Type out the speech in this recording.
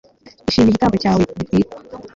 ashime igitambo cyawe gitwikwa